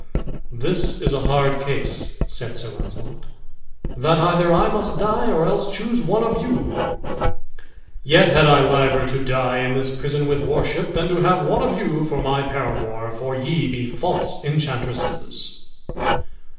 "This is a hard case," said Sir Launcelot, "that either I must die, or else choose one of you; yet had I liever to die in this prison with worship, than to have one of you for my paramour, for ye be false enchantresses."